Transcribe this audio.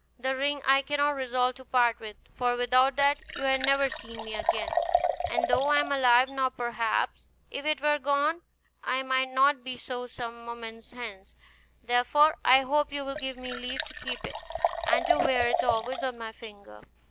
The ring I cannot resolve to part with; for without that you had never seen me again; and though I am alive now, perhaps, if it were gone, I might not be so some moments hence; therefore, I hope you will give me leave to keep it, and to wear it always on my finger."